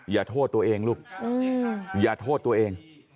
อย่าโทษตัวเองลูกอย่าโทษตัวเอง